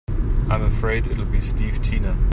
I'm afraid it'll be Steve Tina.